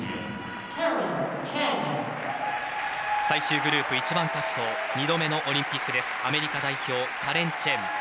最終グループ、１番滑走２度目のオリンピックアメリカ代表、カレン・チェン。